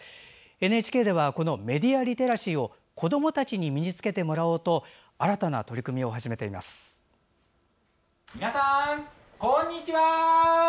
ＮＨＫではこのメディア・リテラシーを子どもたちに身につけてもらおうと皆さん、こんにちは！